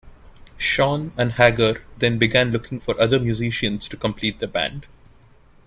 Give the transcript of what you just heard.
Schon and Hagar then began looking for other musicians to complete the band.